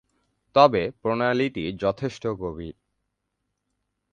তবে প্রণালীটি যথেষ্ট গভীর।